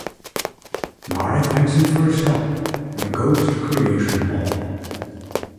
Mari thanks him for his help and goes to Creation Hall.